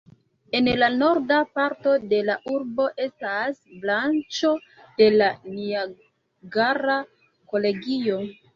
En la norda parto de la urbo estas branĉo de la Niagara Kolegio.